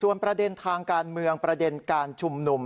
ประเด็นทางการเมืองประเด็นการชุมนุม